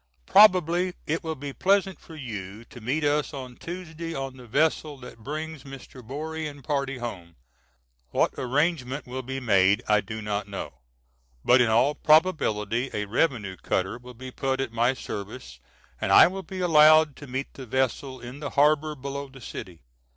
Probably it will be pleasant for you to meet us on Tuesday on the vessel that brings Mr. Borie and party home. What arrangement will be made I do not know; but in all probability a revenue cutter will be put at my service and I will be allowed to meet the vessel in the harbor below the city.